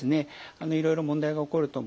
あのいろいろ問題が起こると思います。